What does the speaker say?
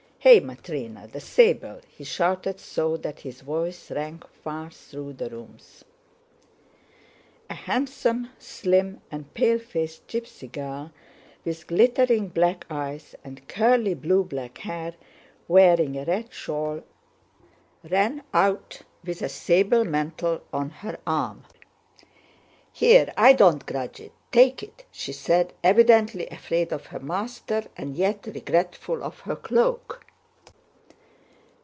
Hey, Matrëna, the sable!" he shouted so that his voice rang far through the rooms. A handsome, slim, and pale faced gypsy girl with glittering black eyes and curly blue black hair, wearing a red shawl, ran out with a sable mantle on her arm. "Here, I don't grudge it—take it!" she said, evidently afraid of her master and yet regretful of her cloak.